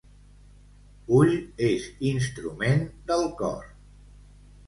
Ull és instrument del cor.